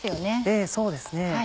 ええそうですね。